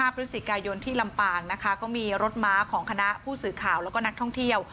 พฤศจิกายนที่ลำปางนะคะก็มีรถม้าของคณะผู้สื่อข่าวแล้วก็นักท่องเที่ยว